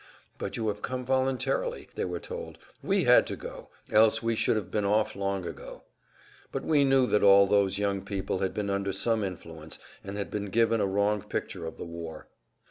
"But you have come voluntarily," they were told; "we had to go, else we should have been off long ago." Yet we knew that all those young people had been under some influence and had been given a wrong picture of the war.